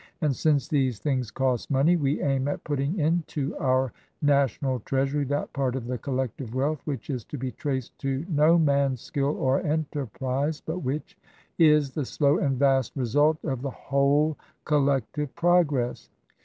And since these things cost money, we aim at putting into our national treasury that part of the collective wealth which is to be traced to no man's skill or enterprise, but which is the slow and vast result of the whole collective progress.